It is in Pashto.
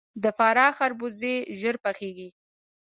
د فراه خربوزې ژر پخیږي.